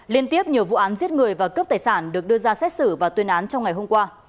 liên tiếp nhiều vụ án giết người và cướp tài sản được đưa ra xét xử và tuyên án trong ngày hôm qua